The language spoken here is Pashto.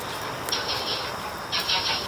د دولت جوړونکي او مضبوطۍ ته اړتیا لري.